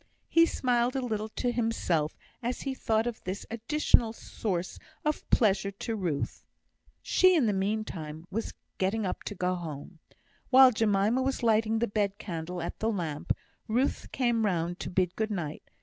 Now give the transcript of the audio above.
He smiled a little to himself as he thought of this additional source of pleasure to Ruth. She, in the meantime, was getting up to go home. While Jemima was lighting the bed candle at the lamp, Ruth came round to bid good night.